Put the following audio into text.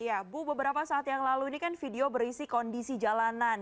ya bu beberapa saat yang lalu ini kan video berisi kondisi jalanan